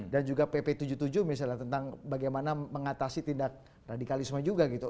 dan juga pp tujuh puluh tujuh misalnya tentang bagaimana mengatasi tindak radikalisme juga gitu